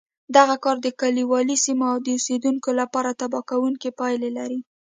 دغه کار د کلیوالي سیمو د اوسېدونکو لپاره تباه کوونکې پایلې لرلې